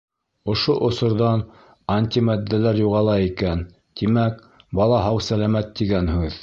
Ошо осорҙан антиматдәләр юғала икән, тимәк, бала һау-сәләмәт тигән һүҙ.